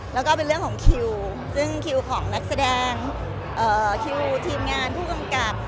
แล้วก็เป็นเรื่องของคิวซึ่งคิวของนักแสดงคิวทีมงานผู้กำกับ